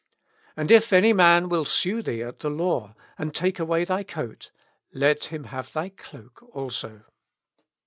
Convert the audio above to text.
And if any man will sue thee at the law, and take away thy coat, let him have thy cloak also.